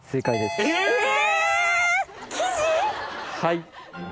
はい。